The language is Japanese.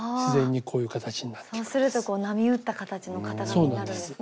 そうするとこう波打った形の型紙になるんですね。